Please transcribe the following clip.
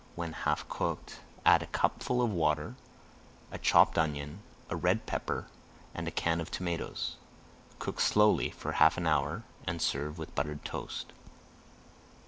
When half cooked, add a cupful of water, a chopped onion, a red pepper, and a can of tomatoes. Cook slowly for half an hour and serve with buttered toast.